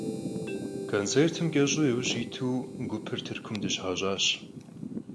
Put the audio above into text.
Концертым кӀэщӀу иужь иту, гупыр Тыркум дыщыхьэщӀащ.